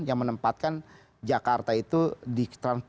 yang menempatkan jakarta itu di dalam